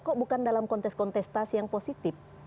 kok bukan dalam kontes kontestasi yang positif